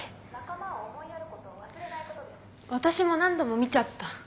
私も何度も見ちゃった。